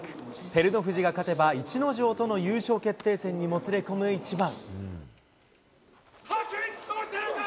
照ノ富士が勝てば、逸ノ城との優勝決定戦にもつれ込む一番。